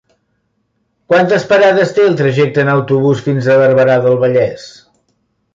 Quantes parades té el trajecte en autobús fins a Barberà del Vallès?